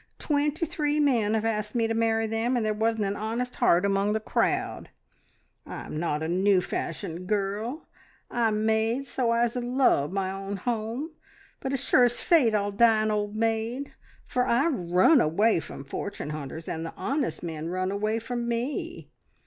Twenty three men have asked me to marry them, and there wasn't an honest heart among the crowd. I'm not a new fashioned girl: I'm made so's I'd love my own home; but sure as fate I'll die an old maid, for I run away from fortune hunters, and the honest men run away from me.